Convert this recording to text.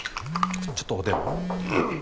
ちょっとお電話。